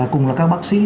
cùng là các bác sĩ